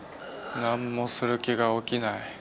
何もする気が起きない。